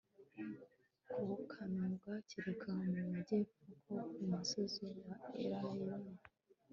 ku kanunga kerekeye mu majyepfo ko ku musozi wa elayono